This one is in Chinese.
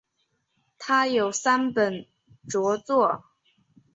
他有三本着作。